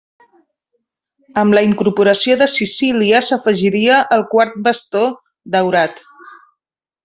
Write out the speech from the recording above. Amb la incorporació de Sicília s'afegiria el quart bastó daurat.